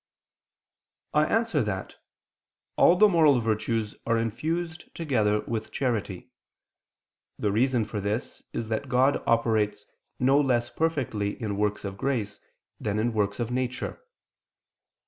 I answer that, All the moral virtues are infused together with charity. The reason for this is that God operates no less perfectly in works of grace than in works of nature.